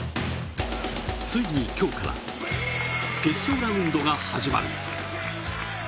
ついに今日から決勝ラウンドが始まる。